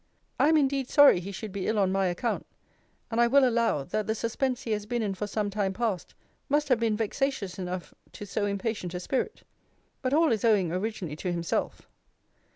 I am indeed sorry he should be ill on my account; and I will allow, that the suspense he has been in for some time past, must have been vexatious enough to so impatient a spirit. But all is owing originally to himself.